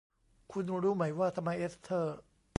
คุณรู้ไหมว่าทำไม เอสเธอร์